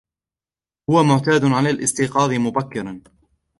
هو معتاد على الاستيقاظ مبكرا.